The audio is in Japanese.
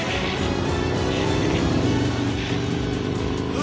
あ？